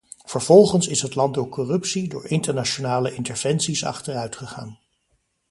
Vervolgens is het land door corruptie, door internationale interventies achteruitgegaan.